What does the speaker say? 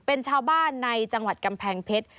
เป็นชาวบ้านในจังหวัดกำแพงเพชร